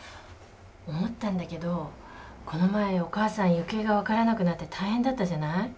思ったんだけどこの前お母さん行方が分からなくなって大変だったじゃない。